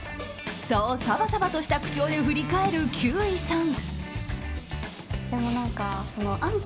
そうサバサバとした口調で振り返る休井さん。